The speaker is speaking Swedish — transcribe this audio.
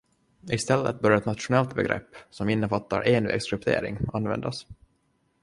I stället bör ett nationellt begrepp, som innefattar envägskryptering, användas.